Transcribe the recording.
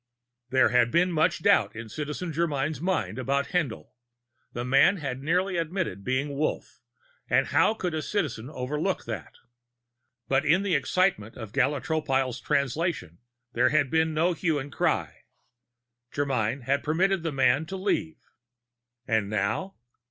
There was much doubt in Citizen Germyn's mind about Haendl. The man had nearly admitted to being Wolf, and how could a citizen overlook that? But in the excitement of Gala Tropile's Translation, there had been no hue and cry. Germyn had permitted the man to leave. And now?